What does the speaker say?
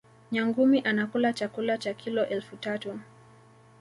nyangumi anakula chakula cha kilo elfu tatu